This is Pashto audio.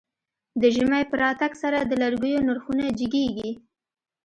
د ژمی په راتګ سره د لرګيو نرخونه جګېږي.